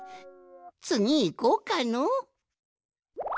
つぎいこうかのう。